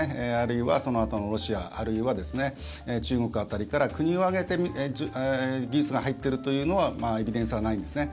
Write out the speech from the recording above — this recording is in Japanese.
あるいは、そのあとのロシアあるいは中国辺りから国を挙げて技術が入っているというのはエビデンスはないんですね。